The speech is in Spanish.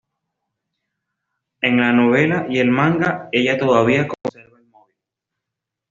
En la novela y el manga, ella todavía conserva el móvil.